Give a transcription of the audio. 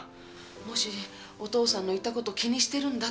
もしお父さんの言ったこと気にしてるんだったら。